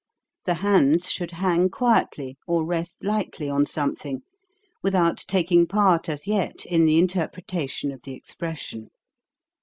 The hands should hang quietly, or rest lightly on something, without tak ing part as yet in the interpretation of the expression.